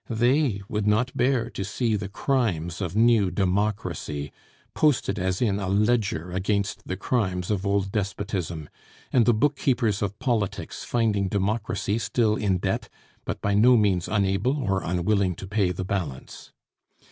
They would not bear to see the crimes of new democracy posted as in a ledger against the crimes of old despotism, and the book keepers of politics finding democracy still in debt, but by no means unable or unwilling to pay the balance.